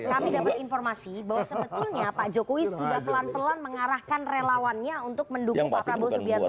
kami dapat informasi bahwa sebetulnya pak jokowi sudah pelan pelan mengarahkan relawannya untuk mendukung pak prabowo subianto